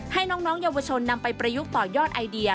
ให้น้องเยาวชนนำไปประยุกต์ต่อยอดไอเดีย